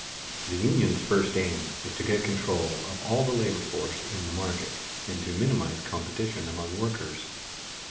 _The union's first aim is to get control of all the labor force in the market, and to minimize competition among workers.